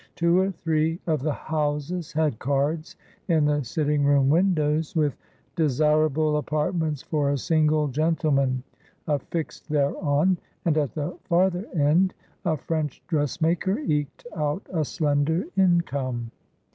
Two or three of the houses had cards in the sitting room windows, with "Desirable apartments for a single gentleman" affixed thereon, and at the farther end a French dressmaker eked out a slender income.